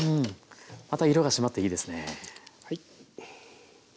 また色が締まっていいですね。